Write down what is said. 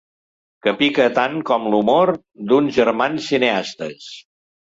Que pica tant com l'humor d'uns germans cineastes.